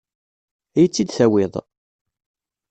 Ad iyi-tt-id-tawiḍ?